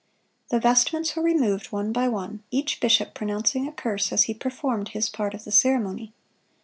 The vestments were removed one by one, each bishop pronouncing a curse as he performed his part of the ceremony.